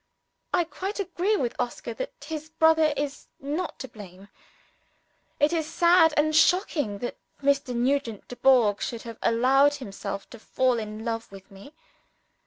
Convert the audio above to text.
I quite agree with Oscar that his brother is not to blame. It is sad and shocking that Mr. Nugent Dubourg should have allowed himself to fall in love with me.